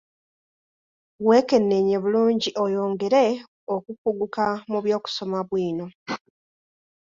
Wekenneenye bulungi oyongere okukuguka mu by'okusoma bwino.